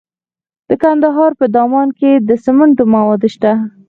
د کندهار په دامان کې د سمنټو مواد شته.